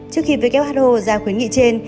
trước khi who ra khuyến nghị trên